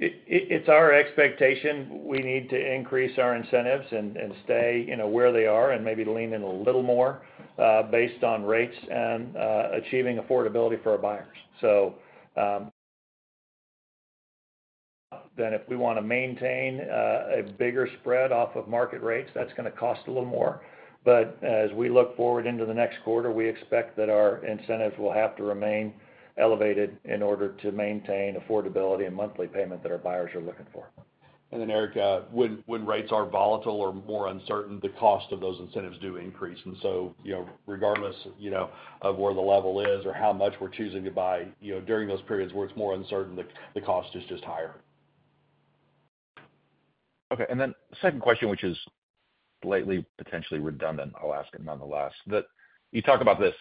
It's our expectation. We need to increase our incentives and stay where they are and maybe lean in a little more based on rates and achieving affordability for our buyers. So then if we want to maintain a bigger spread off of market rates, that's going to cost a little more. But as we look forward into the next quarter, we expect that our incentives will have to remain elevated in order to maintain affordability and monthly payment that our buyers are looking for. And then, Eric, when rates are volatile or more uncertain, the cost of those incentives do increase. And so regardless of where the level is or how much we're choosing to buy during those periods where it's more uncertain, the cost is just higher. Okay. And then second question, which is slightly potentially redundant, I'll ask it nonetheless. You talk about this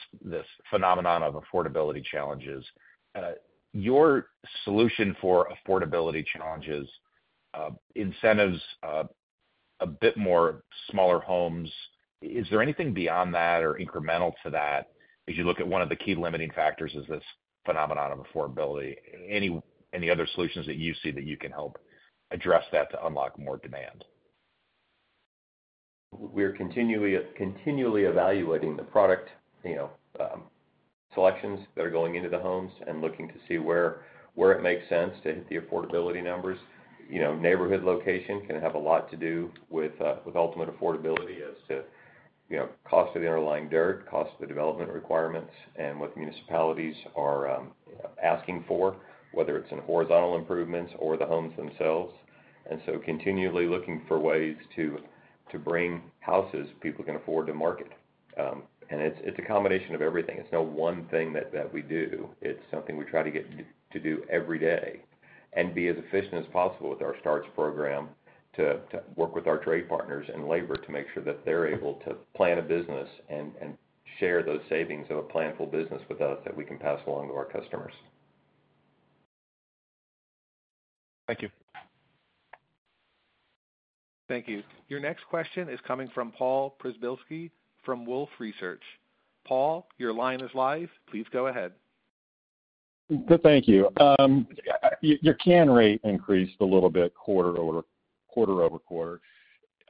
phenomenon of affordability challenges. Your solution for affordability challenges, incentives, a bit more smaller homes, is there anything beyond that or incremental to that? As you look at one of the key limiting factors is this phenomenon of affordability. Any other solutions that you see that you can help address that to unlock more demand? We're continually evaluating the product selections that are going into the homes and looking to see where it makes sense to hit the affordability numbers. Neighborhood location can have a lot to do with ultimate affordability as to cost of the underlying dirt, cost of the development requirements, and what municipalities are asking for, whether it's in horizontal improvements or the homes themselves. And so continually looking for ways to bring houses people can afford to market. And it's a combination of everything. It's no one thing that we do. It's something we try to get to do every day and be as efficient as possible with our starts program to work with our trade partners and labor to make sure that they're able to plan a business and share those savings of a planful business with us that we can pass along to our customers. Thank you. Thank you. Your next question is coming from Paul Przybylski from Wolfe Research. Paul, your line is live. Please go ahead. Thank you. Your cancellation rate increased a little bit quarter over quarter.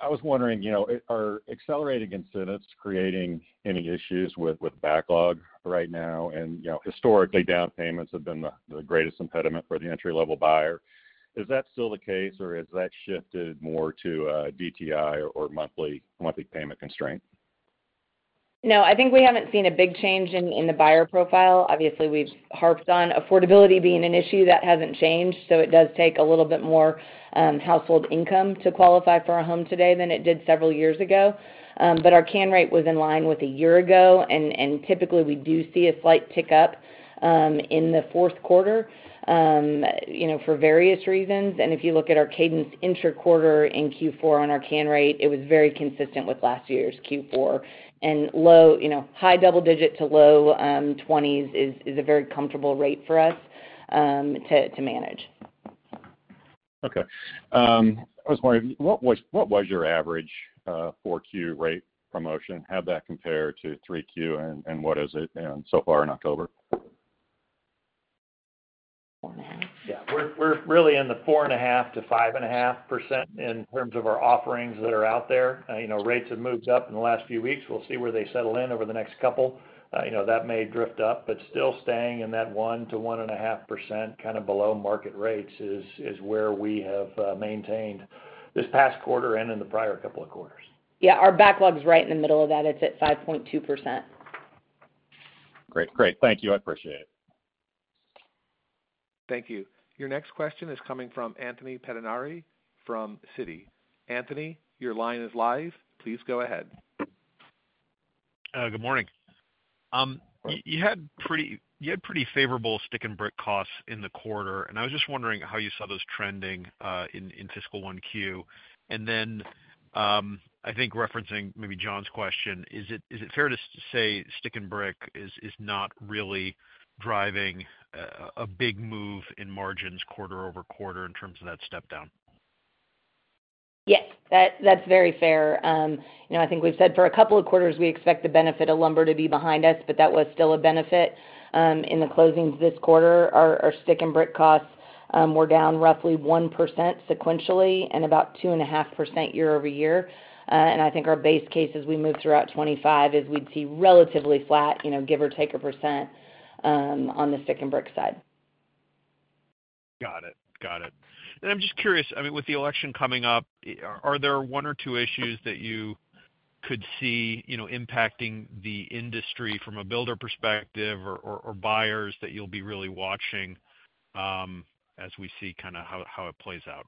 I was wondering, are accelerating incentives creating any issues with backlog right now? And historically, down payments have been the greatest impediment for the entry-level buyer. Is that still the case, or has that shifted more to DTI or monthly payment constraint? No, I think we haven't seen a big change in the buyer profile. Obviously, we've harped on affordability being an issue that hasn't changed. So it does take a little bit more household income to qualify for a home today than it did several years ago. But our can rate was in line with a year ago. And typically, we do see a slight tick up in the fourth quarter for various reasons. And if you look at our cadence intra-quarter in Q4 on our can rate, it was very consistent with last year's Q4. And high double-digit to low 20s is a very comfortable rate for us to manage. Okay. I was wondering, what was your average 4Q rate promotion? How'd that compare to 3Q, and what is it so far in October? Four and a half. Yeah. We're really in the 4.5%-5.5% in terms of our offerings that are out there. Rates have moved up in the last few weeks. We'll see where they settle in over the next couple. That may drift up, but still staying in that 1%-1.5% kind of below market rates is where we have maintained this past quarter and in the prior couple of quarters. Yeah. Our backlog is right in the middle of that. It's at 5.2%. Great. Great. Thank you. I appreciate it. Thank you. Your next question is coming from Anthony Pettinari from Citi. Anthony, your line is live. Please go ahead. Good morning. You had pretty favorable stick-and-brick costs in the quarter. And I was just wondering how you saw those trending in fiscal 1Q. And then I think referencing maybe John's question, is it fair to say stick-and-brick is not really driving a big move in margins quarter over quarter in terms of that step down? Yes. That's very fair. I think we've said for a couple of quarters, we expect the benefit of lumber to be behind us, but that was still a benefit. In the closings this quarter, our stick and brick costs were down roughly 1% sequentially and about 2.5% year over year. And I think our base case as we move throughout 2025 is we'd see relatively flat, give or take a percent on the stick and brick side. Got it. Got it. And I'm just curious, I mean, with the election coming up, are there one or two issues that you could see impacting the industry from a builder perspective or buyers that you'll be really watching as we see kind of how it plays out?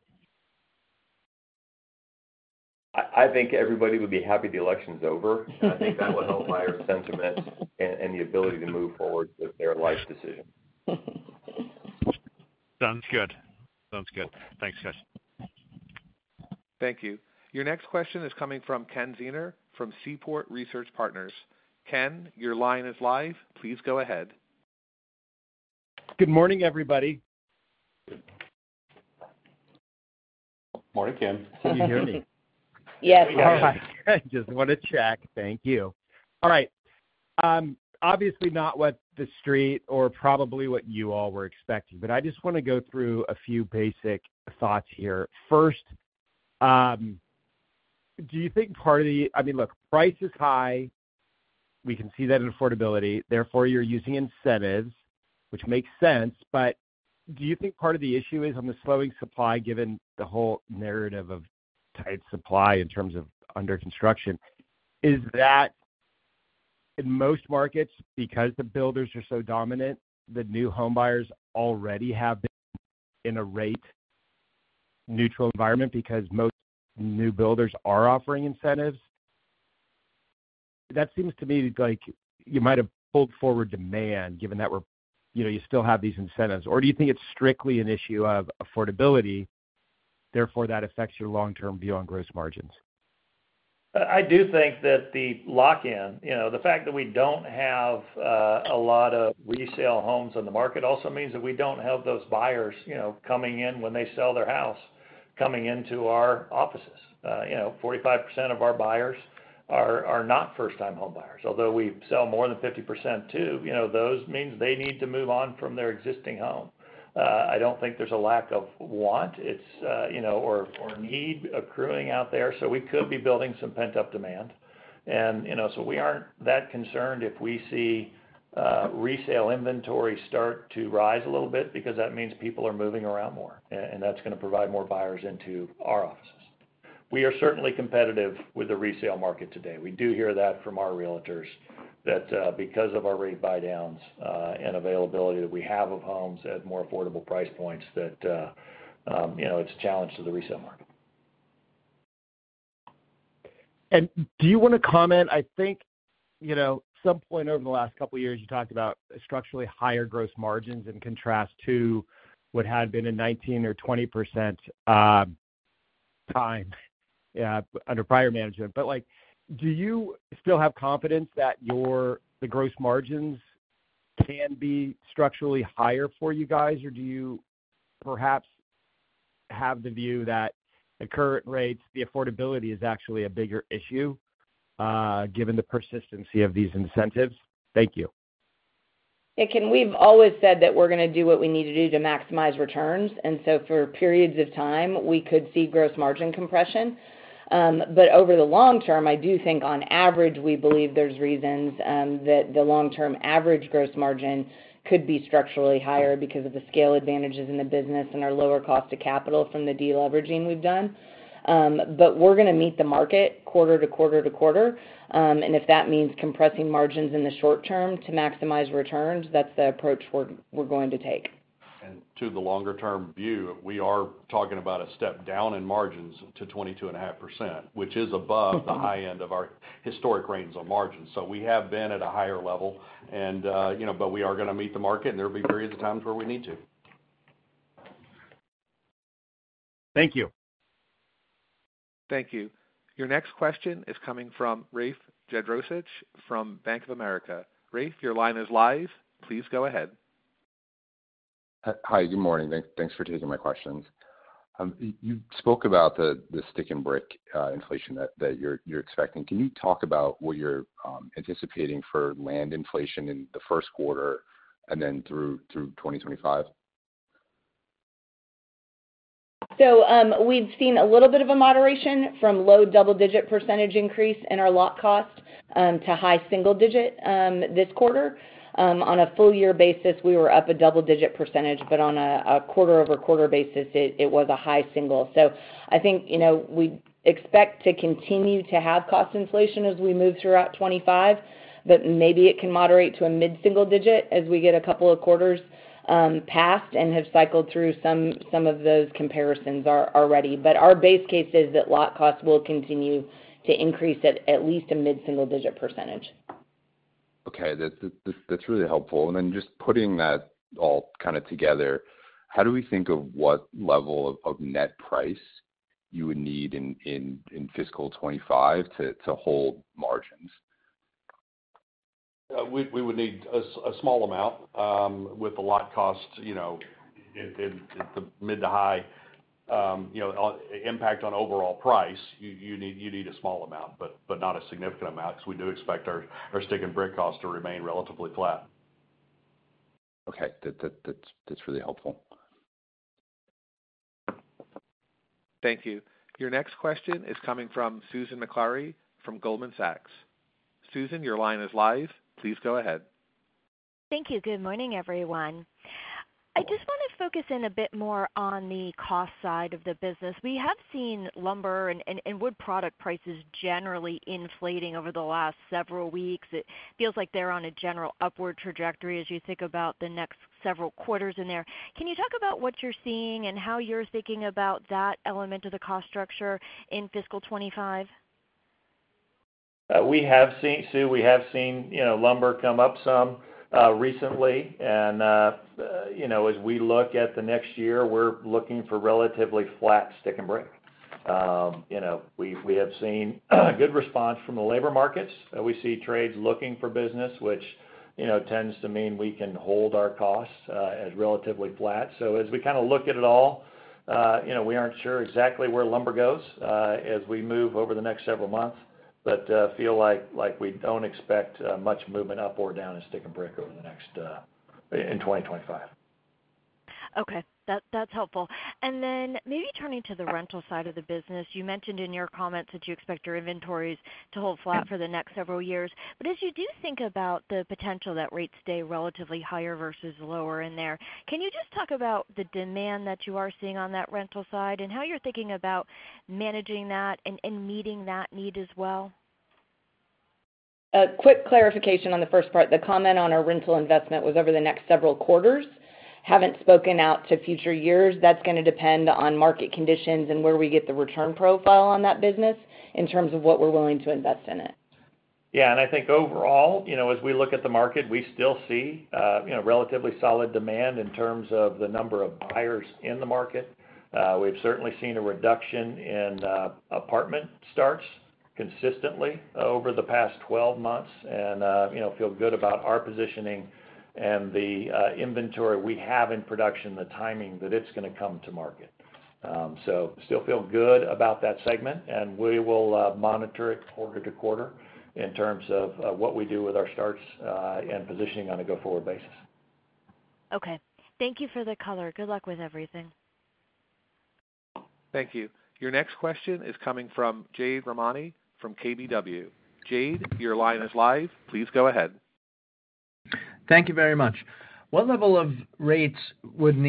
I think everybody would be happy the election's over. I think that will help buyer sentiment and the ability to move forward with their life decision. Sounds good. Sounds good. Thanks, guys. Thank you. Your next question is coming from Ken Zener from Seaport Research Partners. Ken, your line is live. Please go ahead. Good morning, everybody. Morning, Ken. Can you hear me? Yes. I just want to check. Thank you. All right. Obviously, not what the street or probably what you all were expecting, but I just want to go through a few basic thoughts here. First, do you think part of the, I mean, look, price is high. We can see that in affordability. Therefore, you're using incentives, which makes sense. But do you think part of the issue is on the slowing supply given the whole narrative of tight supply in terms of under construction? Is that in most markets, because the builders are so dominant, the new home buyers already have been in a rate-neutral environment because most new builders are offering incentives? That seems to me like you might have pulled forward demand given that you still have these incentives. Or do you think it's strictly an issue of affordability? Therefore, that affects your long-term view on gross margins? I do think that the lock-in, the fact that we don't have a lot of resale homes on the market also means that we don't have those buyers coming in when they sell their house, coming into our offices. 45% of our buyers are not first-time home buyers. Although we sell more than 50% too, those means they need to move on from their existing home. I don't think there's a lack of want or need accruing out there. So we could be building some pent-up demand. And so we aren't that concerned if we see resale inventory start to rise a little bit because that means people are moving around more, and that's going to provide more buyers into our offices. We are certainly competitive with the resale market today. We do hear that from our realtors that because of our rate buy-downs and availability that we have of homes at more affordable price points, that it's a challenge to the resale market. Do you want to comment? I think at some point over the last couple of years, you talked about structurally higher gross margins in contrast to what had been a 19% or 20% time under prior management. But do you still have confidence that the gross margins can be structurally higher for you guys, or do you perhaps have the view that the current rates, the affordability is actually a bigger issue given the persistency of these incentives? Thank you. Yeah. We've always said that we're going to do what we need to do to maximize returns. And so for periods of time, we could see gross margin compression. But over the long term, I do think on average, we believe there's reasons that the long-term average gross margin could be structurally higher because of the scale advantages in the business and our lower cost of capital from the deleveraging we've done. But we're going to meet the market quarter to quarter to quarter. And if that means compressing margins in the short term to maximize returns, that's the approach we're going to take. To the longer-term view, we are talking about a step down in margins to 22.5%, which is above the high end of our historic ranges on margins. We have been at a higher level, but we are going to meet the market, and there will be periods of times where we need to. Thank you. Thank you. Your next question is coming from Rafe Jadrosich from Bank of America. Rafe, your line is live. Please go ahead. Hi. Good morning. Thanks for taking my questions. You spoke about the stick and brick inflation that you're expecting. Can you talk about what you're anticipating for land inflation in the first quarter and then through 2025? So we've seen a little bit of a moderation from low double-digit percentage increase in our lot cost to high single digit this quarter. On a full-year basis, we were up a double-digit percentage, but on a quarter-over-quarter basis, it was a high single. So I think we expect to continue to have cost inflation as we move throughout 2025, but maybe it can moderate to a mid-single digit as we get a couple of quarters past and have cycled through some of those comparisons already. But our base case is that lot costs will continue to increase at least a mid-single digit percentage. Okay. That's really helpful. And then just putting that all kind of together, how do we think of what level of net price you would need in fiscal 2025 to hold margins? We would need a small amount. With the lot cost mid- to high-impact on overall price, you need a small amount, but not a significant amount because we do expect our stick-and-brick costs to remain relatively flat. Okay. That's really helpful. Thank you. Your next question is coming from Susan Maklari from Goldman Sachs. Susan, your line is live. Please go ahead. Thank you. Good morning, everyone. I just want to focus in a bit more on the cost side of the business. We have seen lumber and wood product prices generally inflating over the last several weeks. It feels like they're on a general upward trajectory as you think about the next several quarters in there. Can you talk about what you're seeing and how you're thinking about that element of the cost structure in fiscal 2025? We have seen, Sue, we have seen lumber come up some recently. And as we look at the next year, we're looking for relatively flat stick and brick. We have seen good response from the labor markets. We see trades looking for business, which tends to mean we can hold our costs as relatively flat. So as we kind of look at it all, we aren't sure exactly where lumber goes as we move over the next several months, but feel like we don't expect much movement up or down in stick and brick over the next year in 2025. Okay. That's helpful. And then maybe turning to the rental side of the business, you mentioned in your comments that you expect your inventories to hold flat for the next several years. But as you do think about the potential that rates stay relatively higher versus lower in there, can you just talk about the demand that you are seeing on that rental side and how you're thinking about managing that and meeting that need as well? Quick clarification on the first part. The comment on our rental investment was over the next several quarters. Haven't spoken out to future years. That's going to depend on market conditions and where we get the return profile on that business in terms of what we're willing to invest in it. Yeah, and I think overall, as we look at the market, we still see relatively solid demand in terms of the number of buyers in the market. We've certainly seen a reduction in apartment starts consistently over the past 12 months and feel good about our positioning and the inventory we have in production, the timing that it's going to come to market, so still feel good about that segment, and we will monitor it quarter to quarter in terms of what we do with our starts and positioning on a go-forward basis. Okay. Thank you for the color. Good luck with everything. Thank you. Your next question is coming from Jade Rahmani from KBW. Jade, your line is live. Please go ahead. Thank you very much. What level of rates would you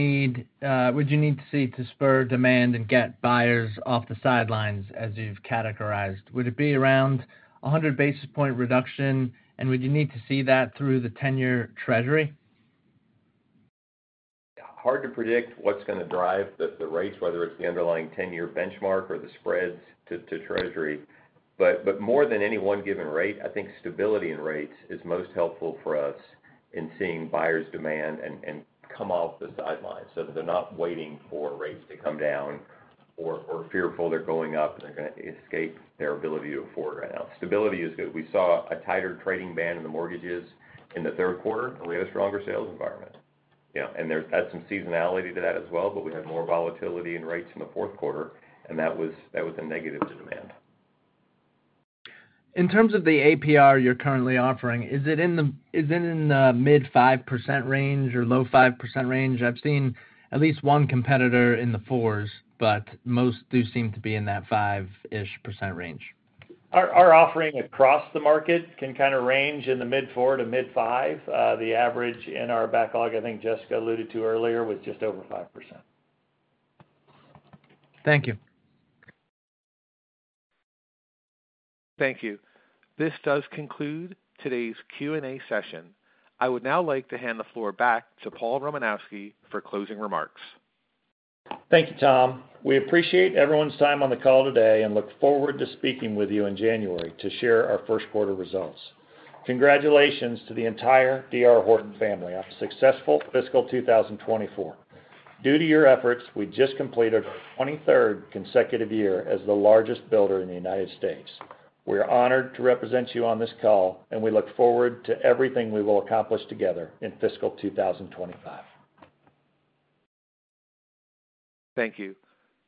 need to see to spur demand and get buyers off the sidelines as you've categorized? Would it be around 100 basis points reduction, and would you need to see that through the 10-year Treasury? Hard to predict what's going to drive the rates, whether it's the underlying 10-year benchmark or the spreads to Treasury. But more than any one given rate, I think stability in rates is most helpful for us in seeing buyers' demand and come off the sidelines so that they're not waiting for rates to come down or fearful they're going up and they're going to escape their ability to afford right now. Stability is good. We saw a tighter trading band in the mortgages in the third quarter, and we had a stronger sales environment. And that's some seasonality to that as well, but we had more volatility in rates in the fourth quarter, and that was a negative to demand. In terms of the APR you're currently offering, is it in the mid 5% range or low 5% range? I've seen at least one competitor in the fours, but most do seem to be in that five-ish % range. Our offering across the market can kind of range in the mid-4% to mid-5%. The average in our backlog, I think Jessica alluded to earlier, was just over 5%. Thank you. Thank you. This does conclude today's Q&A session. I would now like to hand the floor back to Paul Romanowski for closing remarks. Thank you, Tom. We appreciate everyone's time on the call today and look forward to speaking with you in January to share our first-quarter results. Congratulations to the entire D.R. Horton family on a successful fiscal 2024. Due to your efforts, we just completed our 23rd consecutive year as the largest builder in the United States. We are honored to represent you on this call, and we look forward to everything we will accomplish together in fiscal 2025. Thank you.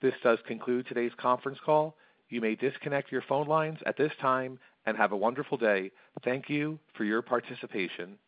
This does conclude today's conference call. You may disconnect your phone lines at this time and have a wonderful day. Thank you for your participation.